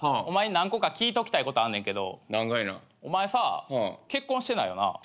お前に何個か聞いときたいことあんねんけどお前さ結婚してないよな？